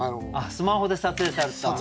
スマホで撮影された。